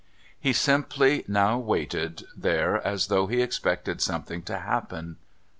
He simply now waited there as though he expected something to happen.